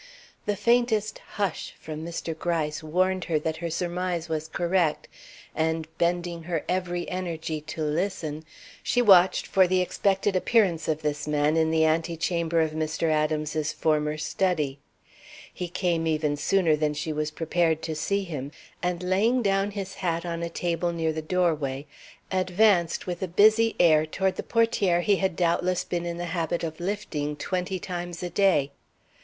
The faintest "Hush!" from Mr. Gryce warned her that her surmise was correct, and, bending her every energy to listen, she watched for the expected appearance of this man in the antechamber of Mr. Adams's former study. He came even sooner than she was prepared to see him, and laying down his hat on a table near the doorway, advanced with a busy air toward the portière he had doubtless been in the habit of lifting twenty times a day.